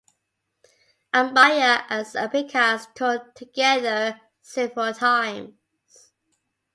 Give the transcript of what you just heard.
Amaya and Sabicas toured together several times.